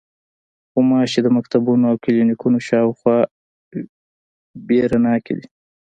غوماشې د مکتبونو او کلینیکونو شاوخوا وېره ناکې دي.